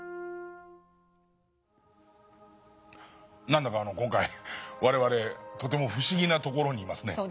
何だか今回我々とても不思議な所にいますね。